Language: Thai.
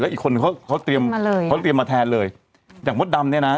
อีกคนเขาเขาเตรียมมาเลยเขาเตรียมมาแทนเลยอย่างมดดำเนี่ยนะ